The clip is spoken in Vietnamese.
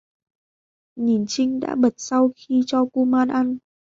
Mà chinh đã bật sau khi cho kuman ăn